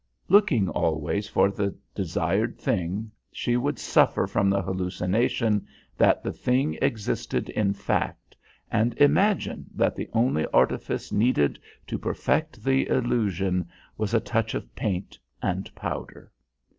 Looking always for the desired thing, she would suffer from the hallucination that the thing existed in fact, and imagine that the only artifice needed to perfect the illusion was a touch of paint and powder.